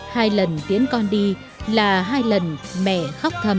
hai lần tiến con đi là hai lần mẹ khóc thầm